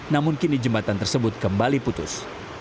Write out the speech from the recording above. namun kini jembatan tersebut kembali putus